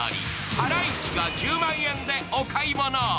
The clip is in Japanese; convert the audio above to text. ハライチが１０万円でお買い物。